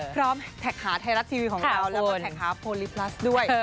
พร้อมแท็กหาไทรัสทีวีของเราและมาแท็กหาโพลิพลัสด้วย